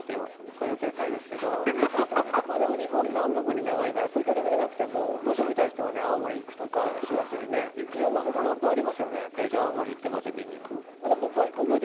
僕は予定ないですけど日本は南北に長いから東京で見れなくてもどうしても見たい人は青森に行くとかいろんな方法ありますよね。